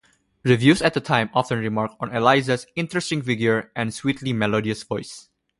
Reviews at the time often remarked on Eliza's "interesting figure" and "sweetly melodious voice".